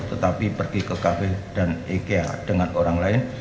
tetapi pergi ke kafe dan ikea dengan orang lain